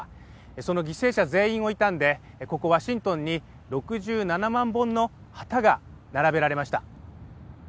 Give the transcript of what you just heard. その犠牲者全員を悼んで、ここワシントンに６７万本の旗が並べられました。